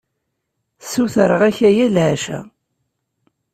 Ssutreɣ-ak aya leɛca.